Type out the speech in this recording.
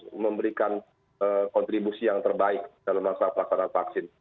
dan terus memberikan kontribusi yang terbaik dalam laksanakan pasaran vaksin